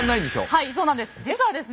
はいそうなんです。